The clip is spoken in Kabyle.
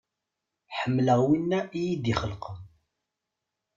Ḥemmleɣ wina iyi-d-ixelqen.